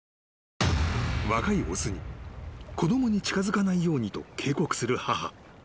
［若い雄に子供に近づかないようにと警告する母。